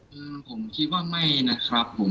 อืมผมคิดว่าไม่นะครับผม